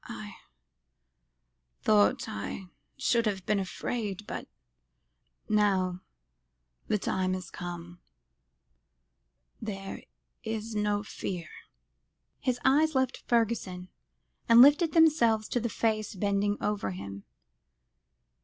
"I thought I should have been afraid but now the time has come there is no fear." His eyes left Fergusson, and lifted themselves to the face bending over him.